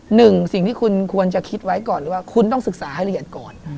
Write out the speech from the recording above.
หนึ่งสิ่งที่คุณควรจะคิดไว้ก่อนหรือว่าคุณต้องศึกษาให้ละเอียดก่อน